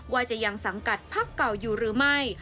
ว่าจะยังสังกัดพักเก่าอยู่หรือไม่